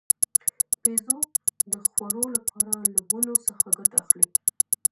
بیزو د خوړو لپاره له ونو څخه ګټه اخلي.